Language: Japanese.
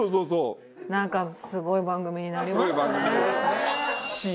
なんかすごい番組になりましたね。